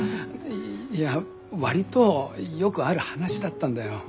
いや割とよくある話だったんだよ。